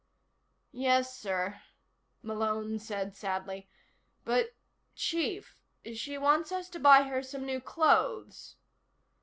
"Yes, sir," Malone said sadly. "But, Chief, she wants us to buy her some new clothes."